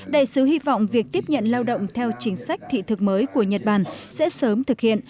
đại sứ hy vọng việc tiếp nhận lao động theo chính sách thị thực mới của nhật bản sẽ sớm thực hiện